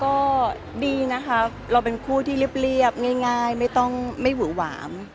ก็ดีนะค่ะเราเป็นคู่ที่เรียบง่ายไม่หูหวาม